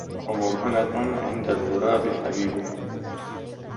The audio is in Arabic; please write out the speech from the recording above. ومرهنة عند الغراب حبيبه